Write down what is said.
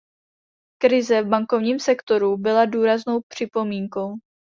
Krize v bankovním sektoru byla důraznou připomínkou.